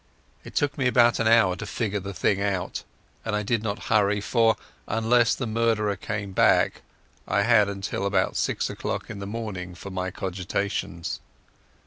It took me about an hour to figure the thing out, and I did not hurry, for, unless the murderer came back, I had till about six o'clock in the morning for my cogitations.